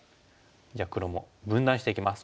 じゃあ黒も分断していきます。